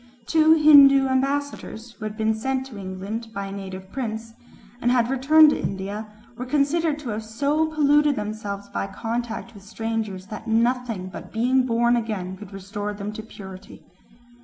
Two Hindoo ambassadors, who had been sent to England by a native prince and had returned to India, were considered to have so polluted themselves by contact with strangers that nothing but being born again could restore them to purity.